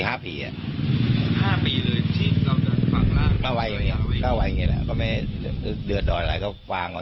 แต่แถวที่จะหลุดเราก็มาภาวก็